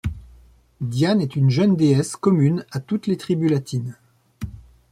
Diane est une jeune déesse commune à toutes les tribus latines.